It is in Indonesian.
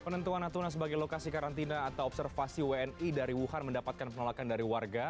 penentuan natuna sebagai lokasi karantina atau observasi wni dari wuhan mendapatkan penolakan dari warga